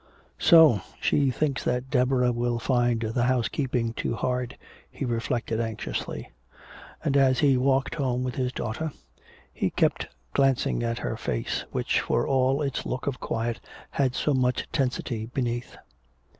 "So she thinks that Deborah will find the housekeeping too hard," he reflected anxiously. And as he walked home with his daughter, he kept glancing at her face, which for all its look of quiet had so much tensity beneath.